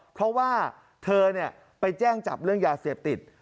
เพราะว่าเธอไปแจ้งจับเรื่องยาเสพติด